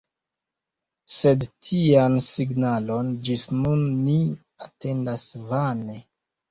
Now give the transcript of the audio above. Sed tian signalon ĝis nun ni atendas vane.